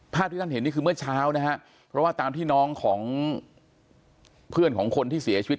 ที่ท่านเห็นนี่คือเมื่อเช้านะฮะเพราะว่าตามที่น้องของเพื่อนของคนที่เสียชีวิต